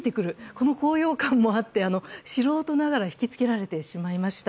この高揚感もあって、素人ながら引きつけられてしまいました。